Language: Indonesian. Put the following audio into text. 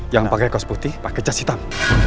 yang pakai kaos putih pakai jas hitam